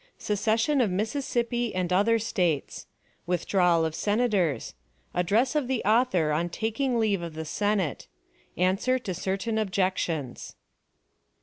Secession of Mississippi and Other States. Withdrawal of Senators. Address of the Author on taking Leave of the Senate. Answer to Certain Objections.